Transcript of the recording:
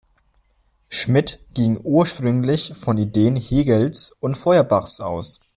Schmitt ging ursprünglich von Ideen Hegels und Feuerbachs aus.